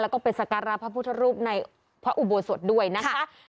แล้วก็ไปสการะพระพุทธรูปในพระอุโบสถด้วยนะคะ